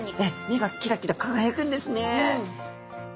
目がキラキラ輝くんですね。